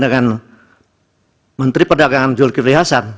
dengan menteri perdagangan zulkifli hasan